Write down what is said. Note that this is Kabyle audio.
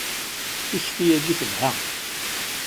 Tikti-yagi telha.